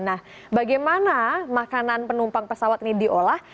nah bagaimana makanan penumpang pesawat ini diolah